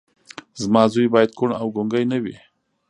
زما زوی باید کوڼ او ګونګی نه وي